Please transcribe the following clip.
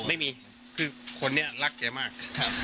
ไม่มีคือคนนี้รักแกมาก